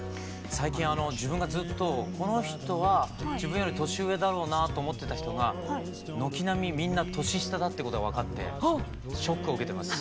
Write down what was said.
最近自分がずっとこの人は自分より年上だろうなと思ってた人が軒並みみんな年下だってことが分かってショックを受けてます。